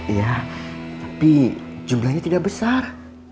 iya tapi jumlahnya tidak besar